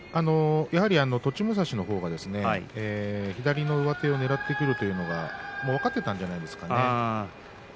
栃武蔵の方が左の上手をねらってくるということが分かっているんじゃないでしょうかね。